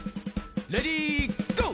レディーゴー！